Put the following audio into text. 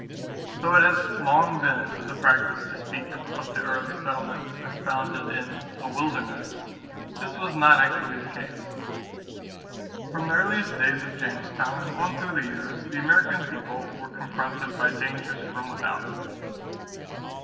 Though it has long been the practice to speak of the early settlements as founded in "a wilderness," this was not actually the case. From the earliest days of Jamestown on through the years, the American people were confronted by dangers from without.